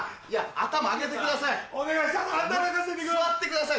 頭上げてください。